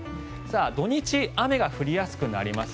土日雨が降りやすくなります。